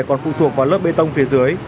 còn phụ thuộc vào lớp bê tông phía dưới